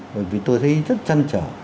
bởi vì tôi thấy rất chân trở